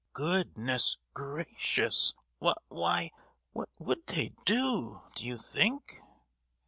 "Good—ness gracious! Wh—why, what would they do, do you think?"